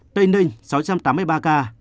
tây ninh sáu trăm tám mươi ba ca